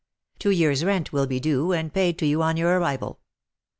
Two years' rent will be due, and paid to you on your arrival.